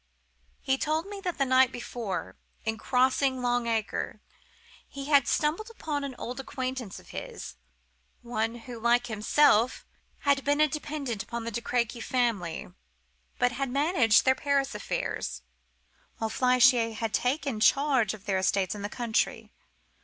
He told me that the night before, in crossing Long Acre, he had stumbled upon an old acquaintance of his; one who, like himself had been a dependent upon the De Crequy family, but had managed their Paris affairs, while Flechier had taken charge of their estates in the country.